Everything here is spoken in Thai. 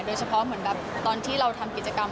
โดยเฉพาะเหมือนแบบตอนที่เราทำกิจกรรม